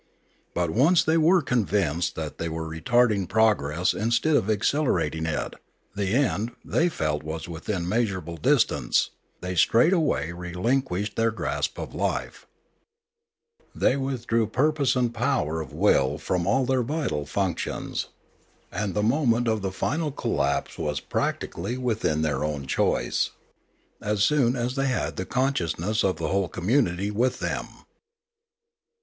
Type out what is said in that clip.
But once they were convinced that they were retarding progress in stead of accelerating it, the end, they felt, was within measurable distance; they straightway relinquished their grasp of life; they withdrew purpose and power Death 381 of will from all their vital functions; and the moment of the final collapse was practically within their own choice, as soon as they had the consciousness of the whole community with them.